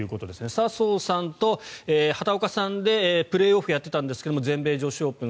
笹生さんと畑岡さんでプレーオフをやっていたんですが全米女子オープン。